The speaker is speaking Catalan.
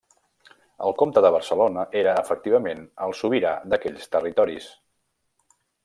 El comte de Barcelona era, efectivament, el sobirà d'aquells territoris.